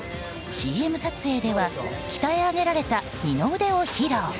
ＣＭ撮影では、鍛え上げられた二の腕を披露。